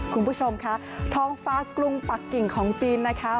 คุณผู้ชมค่ะท้องฟ้ากรุงปักกิ่งของจีนนะคะ